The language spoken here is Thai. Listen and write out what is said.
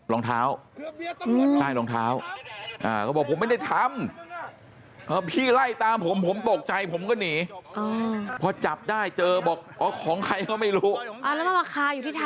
แล้วมันมาคาอยู่ที่เท้าหรือยังไง